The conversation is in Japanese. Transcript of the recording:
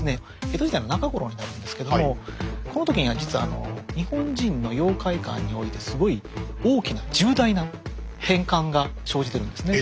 江戸時代の中頃になるんですけどもこの時には実はあの日本人の妖怪観においてすごい大きな重大な変換が生じてるんですね。